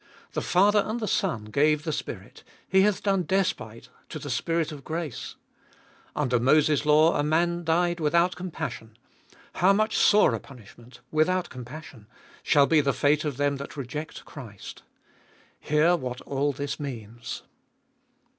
The Father and the Son gave the Spirit: he hath done despite to the Spirit of grace. Under Moses' law a man died without compassion : how much sorer punishment, without compassion, shall be the fate of them that reject Christ. Hear what all this means.